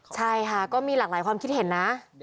ใช่ค่ะก็มีหลากหลายความคิดเห็นนะ